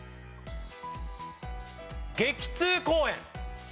激痛公園。